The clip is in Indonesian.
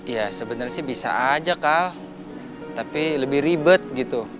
ya sebenarnya sih bisa aja kal tapi lebih ribet gitu